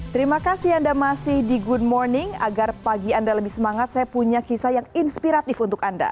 terima kasih anda masih di good morning agar pagi anda lebih semangat saya punya kisah yang inspiratif untuk anda